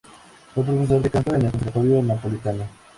Fue profesor de canto en el conservatorio napolitano.